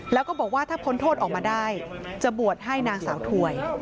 แล้วก็บอกว่าถ้าพ้นโทษออกมาได้จะบวชให้นางสาวถวย